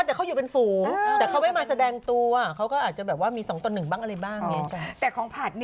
ตั้งใจฟังมาก